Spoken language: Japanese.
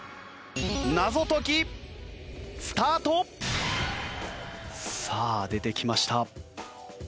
謎解きスタート！さあ出てきました。